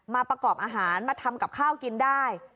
ประกอบอาหารมาทำกับข้าวกินได้